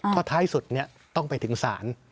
เพราะท้ายสุดเนี่ยต้องไปถึงสาร